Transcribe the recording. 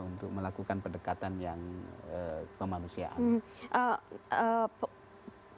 untuk melakukan pendekatan yang kemanusiaan